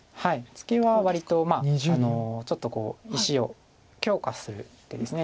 ツケは割とちょっと石を強化する手です。